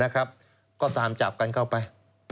นะครับก็ตามจับกันเข้าไป